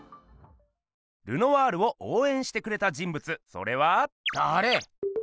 ルノワールをおうえんしてくれた人物それは。だれ？